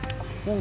tidak ada apa apa